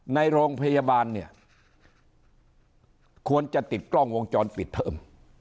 ในโรงพยาบาลเนี่ยควรจะติดกล้องวงจรปิดเพิ่ม